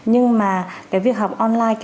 những cái giải pháp mà cần thiết trong cái khi